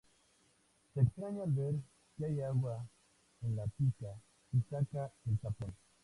Se extraña al ver que hay agua en la pica y saca el tapón.